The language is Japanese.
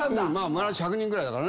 村１００人ぐらいだからね。